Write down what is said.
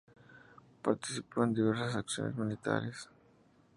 Participó en diversas acciones militares.